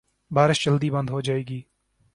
بارش جلدی بند ہو جائے گی۔